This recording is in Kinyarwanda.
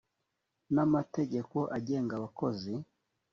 n amategeko agenga abakozi